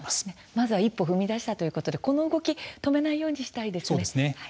まずは一歩踏み出したということでこの動き止めないようにしたいですね。